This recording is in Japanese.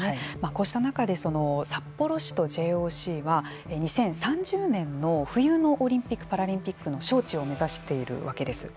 こうした中で札幌市とＪＯＣは２０３０年の冬のオリンピック・パラリンピックの招致を目指しているわけです。